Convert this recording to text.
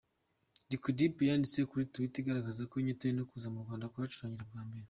Liquideep yanditse kuri Twitter igaragaza ko inyotewe no kuza mu Rwanda kuhacurangira bwa mbere.